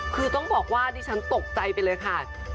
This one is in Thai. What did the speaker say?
คือต้องบอกว่าดิฉันตกใจไปเลยค่ะ